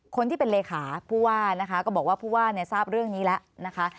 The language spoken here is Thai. คนที่เป็นเลขาผู้ว่านะคะก็บอกว่าผู้ว่าเนี่ยทราบเรื่องนี้แล้วนะคะ